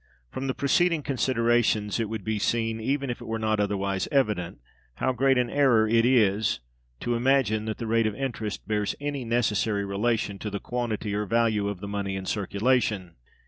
From the preceding considerations it would be seen, even if it were not otherwise evident, how great an error it is to imagine that the rate of interest bears any necessary relation to the quantity or value of the money in circulation.